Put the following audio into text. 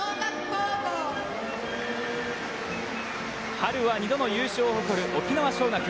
春は２度の優勝を誇る沖縄尚学。